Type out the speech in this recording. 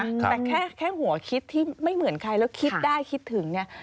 แต่แค่หัวคิดที่ไม่เหมือนใครแล้วคิดได้คิดถึงเนี่ย